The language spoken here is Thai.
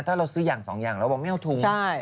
ถ้าเราซื้ออย่างสองอย่างเราบอกไม่เอาถุง